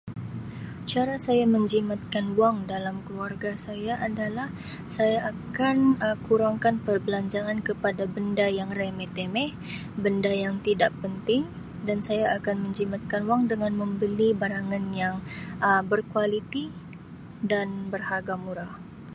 Cara saya menjimatkan wang dalam keluarga saya adalah saya akan Um kurangkan perbelanjaan kepada benda yang remeh-temeh, benda yang tidak penting dan saya akan menjimatkan wang dengan membeli barangan yang Um berkualiti dan berharga murah.